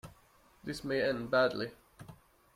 This may end badly.